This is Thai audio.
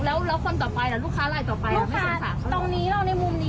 แล้วแล้วคนต่อไปแล้วลูกค้าอะไรต่อไปลูกค้าตรงนี้เราในมุมนี้